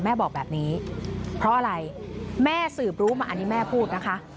แม่บอกแบบนี้เพราะอะไรแม่สืบรู้มาอันนี้แม่พูดนะคะ